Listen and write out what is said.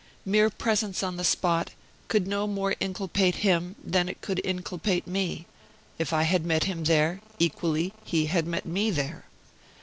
Mere presence on the spot could no more inculpate him than it could inculpate me; if I had met him there, equally had he met me there.